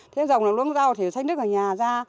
thế dòng lưỡng rau thì xách nước ở nhà ra